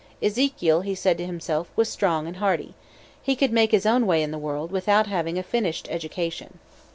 Ezekiel, he said to himself, was strong and hearty. He could make his own way in the world without having a finished education.